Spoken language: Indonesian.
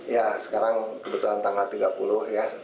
ya sekarang kebetulan tanggal tiga puluh ya